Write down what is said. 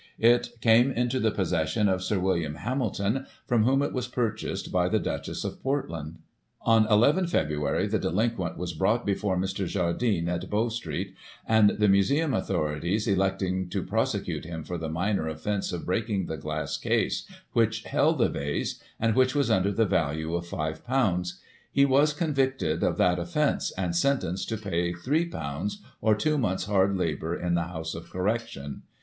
It came into the possession of Sir William Hamilton, from whom it was purchased by the Duchess of Portland. On 1 1 Feb. the delinquent was brought before Mr. Jardine, at Bow Street, and the Museum authorities electing to prose cute him for the minor offence of breaking the glass case which held the vase, and which was under the value oi £^, he was convicted of that offence, and sentenced to pay £i, or two months' hard labour in the House of Correction.